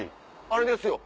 あれですよ